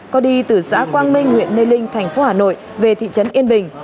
có đi từ xã quang minh huyện mê linh thành phố hà nội về thị trấn yên bình